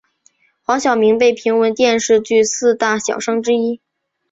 黄晓明被评为电视剧四大小生之一。